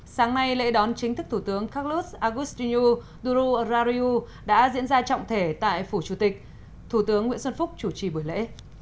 sáng nay lễ đón chính thức thủ tướng carlos agustinu duro rariu đã diễn ra trọng thể tại phủ chủ tịch thủ tướng nguyễn xuân phúc chủ trì buổi lễ